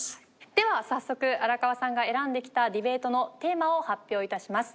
では早速荒川さんが選んできたディベートのテーマを発表致します。